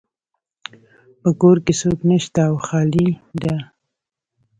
په کور کې څوک نشته او خالی ده